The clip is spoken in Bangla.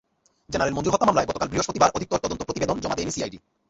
জেনারেল মঞ্জুর হত্যা মামলায় গতকাল বৃহস্পতিবার অধিকতর তদন্ত প্রতিবেদন জমা দেয়নি সিআইডি।